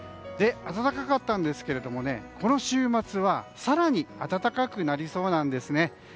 暖かかったんですけどもこの週末は更に暖かくなりそうなんです。